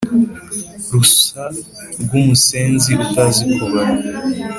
Rusa rw' umusenzi utazi kubara ;